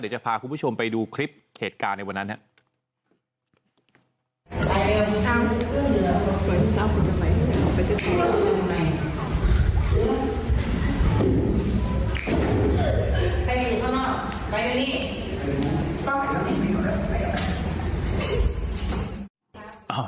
เดี๋ยวจะพาคุณผู้ชมไปดูคลิปเหตุการณ์ในวันนั้นฮะ